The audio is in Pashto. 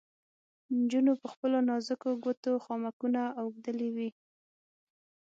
نجونو په خپلو نازکو ګوتو خامکونه اوبدلې وې.